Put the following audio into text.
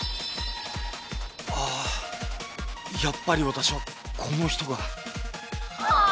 あぁやっぱり私はこの人がはぁ！？